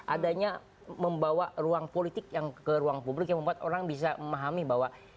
adanya membawa ruang politik yang ke ruang publik yang membuat orang bisa memahami bahwa